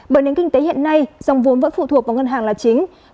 bởi nền kinh tế hiện nay dòng vốn vẫn phụ thuộc vào ngân hàng là chính